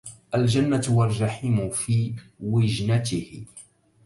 الجنة والجحيم في وجنته